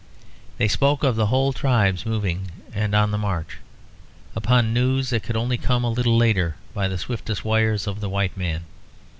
They spoke of the whole tribes moving and on the march, upon news that could only come a little later by the swiftest wires of the white man.